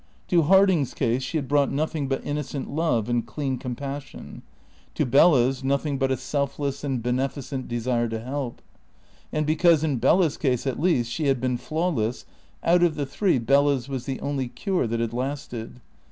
To Harding's case she had brought nothing but innocent love and clean compassion; to Bella's nothing but a selfless and beneficent desire to help. And because in Bella's case at least she had been flawless, out of the three Bella's was the only cure that had lasted.